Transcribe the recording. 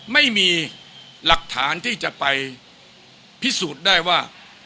ไม่มีหลักฐานที่จะไปพิสูจน์ได้ว่า